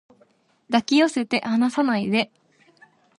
抱き寄せて離さないで